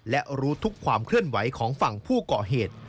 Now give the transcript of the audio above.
และรู้ทุกความเคลื่อนไหวของฝั่งผู้ก่อเหตุ